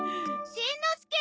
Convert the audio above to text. しんのすけ！